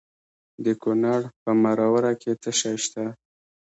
د کونړ په مروره کې څه شی شته؟